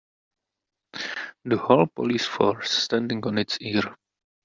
The whole police force standing on it's ear.